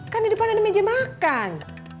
kan di depan ada meja makan